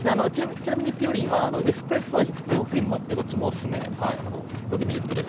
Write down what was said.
ちなみにぴよりんは、エスプレッソ味のプリンもあって、そっちもお勧め、どうでもいいことです。